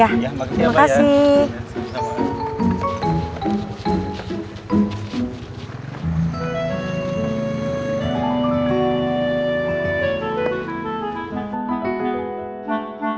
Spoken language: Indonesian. iya makasih pak ya